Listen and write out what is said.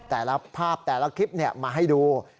แต่ละภาพแต่ละคลิปมาให้ดู